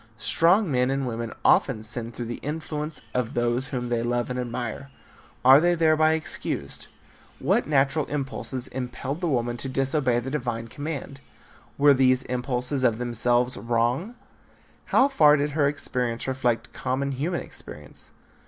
Strong men and women often sin through the influence of those whom they love and admire. Are they thereby excused? What natural impulses impelled the woman to disobey the divine command? Were these impulses of themselves wrong? How far did her experience reflect common human experience?